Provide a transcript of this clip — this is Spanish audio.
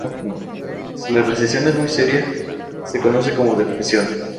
Si la recesión es muy seria, se conoce como depresión.